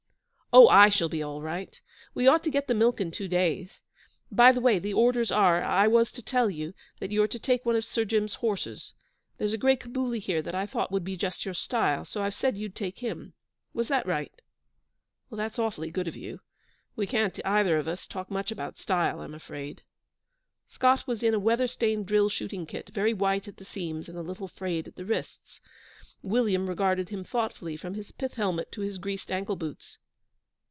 'Oh, I shall be all right. We ought to get the milk in two days. By the way, the orders are, I was to tell you, that you're to take one of Sir Jim's horses. There's a gray Cabuli here that I thought would be just your style, so I've said you'd take him. Was that right?' 'That's awfully good of you. We can't either of us talk much about style, I'm afraid.' Scott was in a weather stained drill shooting kit, very white at the seams and a little frayed at the wrists. William regarded him thoughtfully, from his pith helmet to his greased ankle boots.